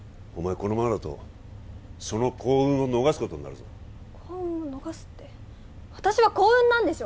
このままだとその幸運を逃すことになるぞ幸運を逃すって私は幸運なんでしょ？